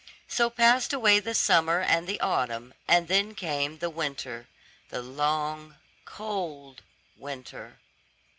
So passed away the summer and the autumn, and then came the winter, the long, cold winter.